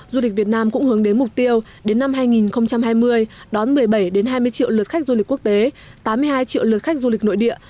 du lịch việt nam cũng hướng đến mục tiêu đến năm hai nghìn hai mươi đón một mươi bảy hai mươi triệu lượt khách du lịch quốc tế tám mươi hai triệu lượt khách du lịch nội địa